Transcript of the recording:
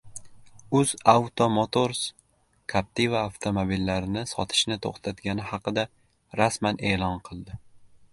UzAuto Motors Captiva avtomobillarini sotishni to‘xtatgani haqida rasman e'lon qildi